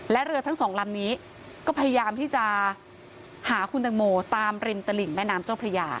และเรือทั้งสองลำนี้ก็พยายามที่จะหาคุณตังโมตามริมตลิ่งแม่น้ำเจ้าพระยา